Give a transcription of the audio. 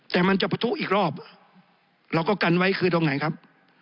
แต่มันจะประทุอีกรอบเราก็กันไว้คือตรงไหนครับ